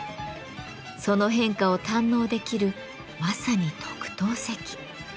その変化を堪能できるまさに特等席。